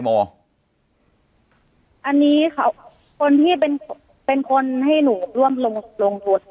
โมอันนี้เขาคนที่เป็นเป็นคนให้หนูร่วมลงลงทุน